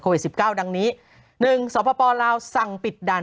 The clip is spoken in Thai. โหยวายโหยวายโหยวายโหยวาย